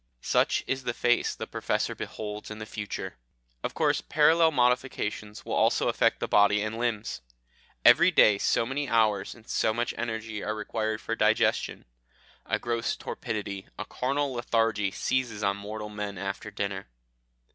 Such is the face the Professor beholds in the future. Of course parallel modifications will also affect the body and limbs. "Every day so many hours and so much energy are required for digestion; a gross torpidity, a carnal lethargy, seizes on mortal men after dinner.